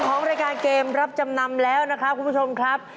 ของรายการเกมรับจำนำแล้วนะครับคุณผู้ชมครับ